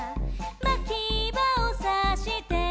「まきばをさして」